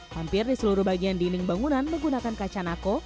hampir di seluruh bagian dinding bangunan menggunakan kaca nako